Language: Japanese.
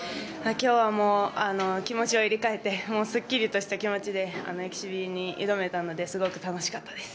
今日は気持ちを入れ替えてすっきりとした気持ちでエキシビに挑めたのですごく楽しかったです。